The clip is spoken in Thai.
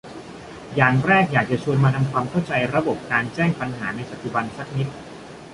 อย่างแรกอยากจะชวนมาทำความเข้าใจระบบการแจ้งปัญหาในปัจจุบันสักนิด